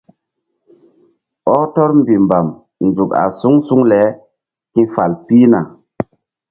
Ɔh tɔr mbihmbam nzuk a suŋ suŋ le ki̧fal pihna.